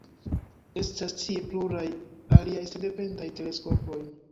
Estas tie pluraj aliaj sendependaj teleskopoj.